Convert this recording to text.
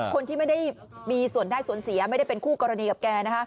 คนที่ไม่ได้มีส่วนได้ส่วนเสียไม่ได้เป็นคู่กรณีกับแก